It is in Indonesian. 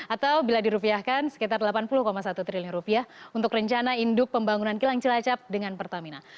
atau bila dirupiahkan sekitar delapan puluh satu triliun rupiah untuk rencana induk pembangunan kilang cilacap dengan pertamina